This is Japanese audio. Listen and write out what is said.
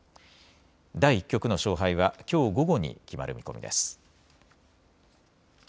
第１局の勝敗はきょう午後に決まる見込みです。